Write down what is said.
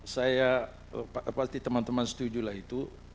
saya pasti teman teman setujulah itu